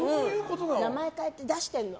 名前変えて出してるの。